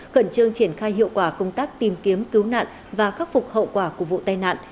khẩn trương triển khai hiệu quả công tác tìm kiếm cứu nạn và khắc phục hậu quả của vụ tai nạn